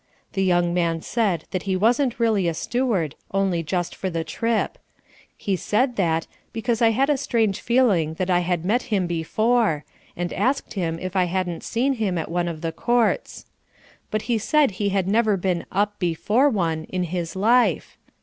The young man said that he wasn't really a steward, only just for the trip. He said that, because I had a strange feeling that I had met him before, and asked him if I hadn't seen him at one of the courts. But he said he had never been "up before one" in his life.